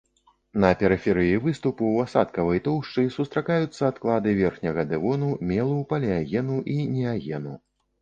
На перыферыі выступу ў асадкавай тоўшчы сустракаюцца адклады верхняга дэвону, мелу, палеагену і неагену.